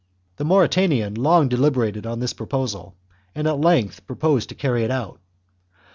The Mauritanian long deliberated on this proposal, chap. and at length promised to carry it out.